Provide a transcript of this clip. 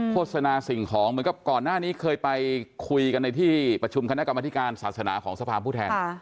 โฆษณาสิ่งของเหมือนกับก่อนหน้านี้เคยไปคุยกันในที่ประชุมคณะกรรมธิการศาสนาของสภาพผู้แทน